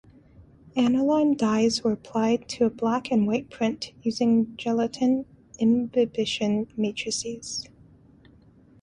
Aniline dyes were applied to a black-and-white print using gelatin imbibition matrices.